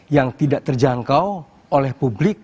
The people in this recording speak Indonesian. yang tidak terjangkau oleh publik